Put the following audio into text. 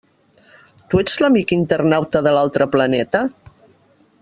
Tu ets l'amic internauta de l'altre planeta?